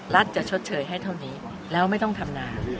จะชดเชยให้เท่านี้แล้วไม่ต้องทำนา